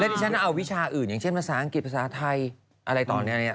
ที่ฉันเอาวิชาอื่นอย่างเช่นภาษาอังกฤษภาษาไทยอะไรตอนนี้